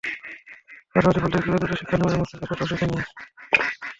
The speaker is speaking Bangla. পাশাপাশি ভুল থেকে কীভাবে দ্রুত শিক্ষা নেওয়া যায়, মস্তিষ্ক সেটাও শিখে নেয়।